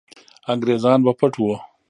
انګریزان به پټ وو.